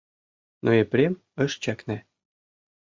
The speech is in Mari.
Но Епрем ыш чакне.